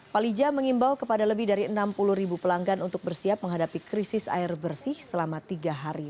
palija mengimbau kepada lebih dari enam puluh ribu pelanggan untuk bersiap menghadapi krisis air bersih selama tiga hari